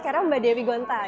sekarang mbak dewi gonta